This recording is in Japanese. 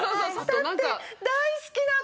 だって。